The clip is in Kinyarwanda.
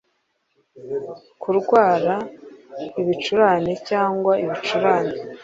kurwara ibicurane cyangwa ibicurane!